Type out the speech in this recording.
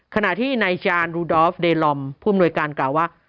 ขณะที่นายชานรูดอฟเดลอมผู้อำนวยการกล่าวว่า